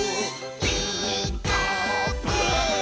「ピーカーブ！」